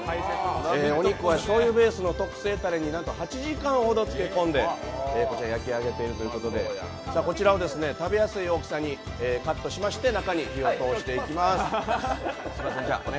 お肉はしょうゆベースの特製たれになんと８時間ほど漬け込んで焼き上げているということでこちらを食べやすい大きさにカットしまして中に火を通していきます。